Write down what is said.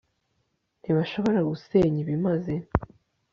nti bashobora gusenya ibimaze